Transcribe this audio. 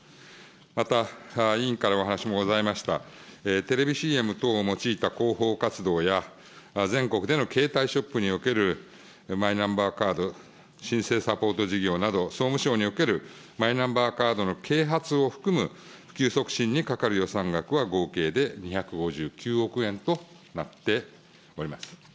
また、委員からお話もございました、テレビＣＭ等を用いた広報活動や、全国での携帯ショップにおけるマイナンバーカード申請サポート事業など、総務省におけるマイナンバーカードの啓発を含む、普及促進にかかる予算額は、合計で２５９億円となっております。